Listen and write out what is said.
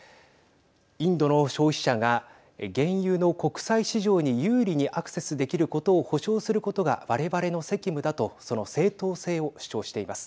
インドの消費者が原油の国際市場に有利にアクセスできることを保証することが我々の責務だとその正当性を主張しています。